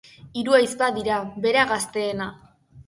Hiru ahizpa dira, bera gazteena.